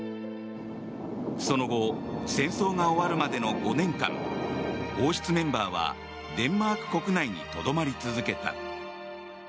その後戦争が終わるまでの５年間王室メンバーはデンマーク国内にとどまり続けた。